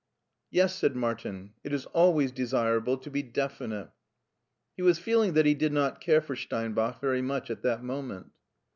" Yes," said Martin, " it is always desirable to be definite." He was feeling that he did not care for Steinbach very much at that moment